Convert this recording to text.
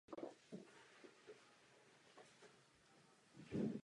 Měla roli Anne Osborne v seriálu "Policie z New Orleans".